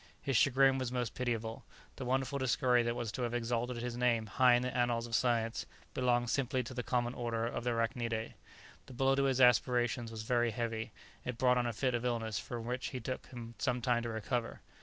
His chagrin was most pitiable, the wonderful discovery that was to have exalted his name high in the annals of science belonged simply to the common order of the arachnidæ The blow to his aspirations was very heavy; it brought on a fit of illness from which it took him some time to recover.